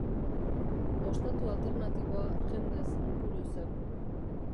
Ostatu alternatiboa jendez mukuru zen.